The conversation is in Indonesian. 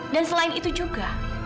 dan selain itu juga